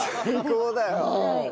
最高だよ。